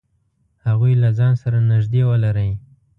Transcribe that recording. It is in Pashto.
هغوی له ځان سره نږدې ولری.